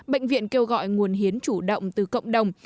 bệnh viện kêu gọi nguồn hiến chủ động từ cộng đồng